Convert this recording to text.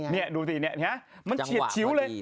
นี่ดูสิมันเฉียบชิ้วเลย